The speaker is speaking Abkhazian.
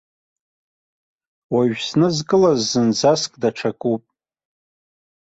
Уажәы снызкылаз зынӡаск даҽакуп.